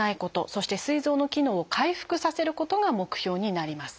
そしてすい臓の機能を回復させることが目標になります。